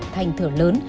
thành thử lớn